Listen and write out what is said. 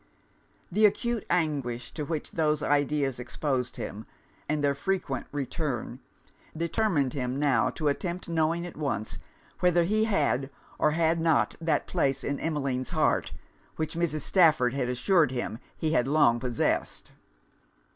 The acute anguish to which those ideas exposed him, and their frequent return, determined him now to attempt knowing at once, whether he had or had not that place in Emmeline's heart which Mrs. Stafford had assured him he had long possessed.